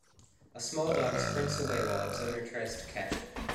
A small dog sprints away while its owner tries to catch it.